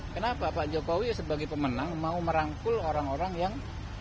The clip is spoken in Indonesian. kenapa pak jokowi sebagai pemenang mau merangkul orang orang yang